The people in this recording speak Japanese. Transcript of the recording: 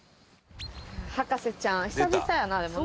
『博士ちゃん』久々やなでもな。